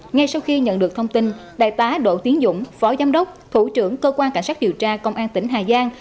ngay sau khi nhận được thông tin đại tá đỗ tiến dũng phó giám đốc thủ trưởng cơ quan cảnh sát điều tra công an tỉnh hà giang